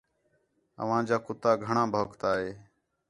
او انجا کتا گھݨاں بھونکتا ہے